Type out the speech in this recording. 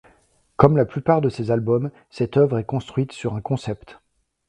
Comme la plupart de ses albums, cette œuvre est construite sur un concept.